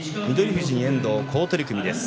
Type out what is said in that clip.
富士に遠藤、好取組です。